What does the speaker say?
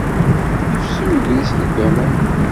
Yefsi ugris deg aman.